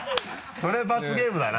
それ罰ゲームだな